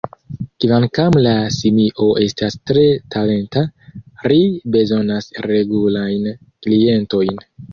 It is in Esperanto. Kvankam la simio estas tre talenta, ri bezonas regulajn klientojn.